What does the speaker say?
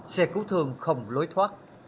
xe cứu thường không lối thoát